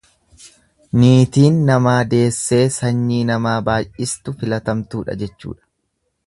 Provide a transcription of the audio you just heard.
Niitiin namaa deessee sanyii namaa baay'istu filatamtuudha jechuudha.